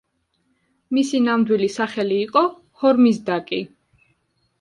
მისი ნამდვილი სახელი იყო ჰორმიზდაკი.